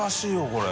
これ。